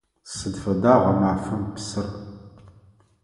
Сыд фэда гъэмафэм псыр?